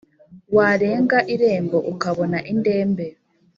Warenga irembo ukabona indembe